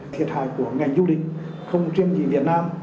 thiệt hại của ngày du lịch không trên gì việt nam